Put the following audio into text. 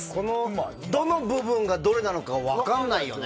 どの部分がどれなのか分からないよね。